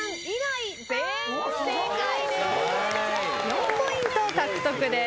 ４ポイント獲得です。